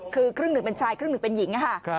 คือครึ่งหนึ่งเป็นชายครึ่งหนึ่งเป็นหญิงค่ะ